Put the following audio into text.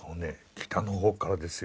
北のほうからですよ